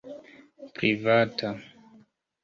Privata.